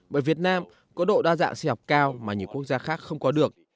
bởi việt nam có độ đa dạng si học cao mà những quốc gia khác không có được